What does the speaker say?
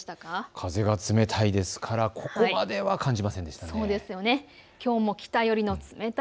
風が冷たいですからここまでは感じませんでした。